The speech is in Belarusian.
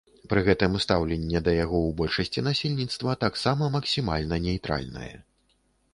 Пры гэтым стаўленне да яго ў большасці насельніцтва таксама максімальна нейтральнае.